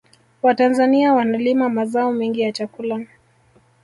watanzania wanalima mazao mengi ya chakula